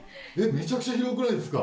めちゃくちゃ広くないですか？